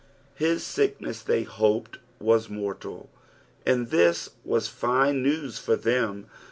His sickness they hoped was mortal, and this waa fine news for them.